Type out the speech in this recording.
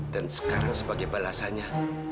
dan sekarang sebagai balasannya